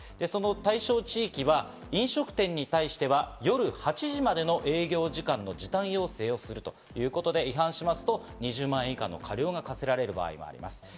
その対象地域は飲食店に対しては夜８時までの営業時間の時短要請をするということで、違反しますと２０万円以下の過料が科せられる場合があります。